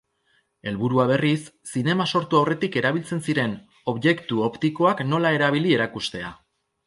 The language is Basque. Helburua berriz, zinema sortu aurretik erabiltzen ziren objektu optikoak nola erabili erakustea.